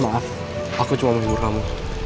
maaf aku cuma menghibur kamu